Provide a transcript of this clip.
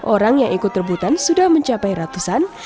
orang yang ikut rebutan sudah mencapai ratusan